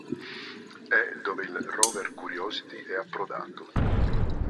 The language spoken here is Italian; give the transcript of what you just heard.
È dove il rover Curiosity è approdato.